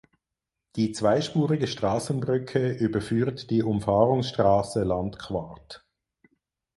Die zweispurige Strassenbrücke überführt die Umfahrungsstrasse Landquart.